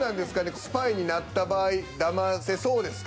スパイになった場合だませそうですか？